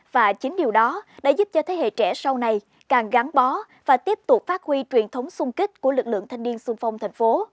và chính điều đó đã giúp cho thế hệ trẻ sau này càng gắn bó và tiếp tục phát huy truyền thống sung kích của lực lượng thanh niên sung phong thành phố